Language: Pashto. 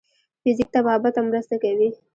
فزیک طبابت ته مرسته کوي.